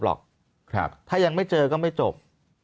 หรอกถ้ายังไม่เจอก็ไม่จบ